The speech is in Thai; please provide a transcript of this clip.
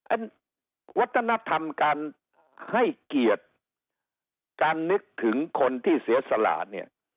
วัฒนธรรมการให้เกียรติการนึกถึงคนที่เสียสละเนี่ย